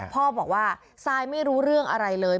พ่อบอกว่าซายไม่รู้เรื่องอะไรเลย